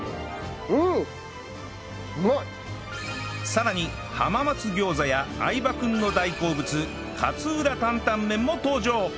さらに浜松餃子や相葉くんの大好物勝浦タンタンメンも登場